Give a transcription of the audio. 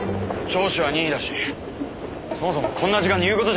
聴取は任意だしそもそもこんな時間に言う事じゃない。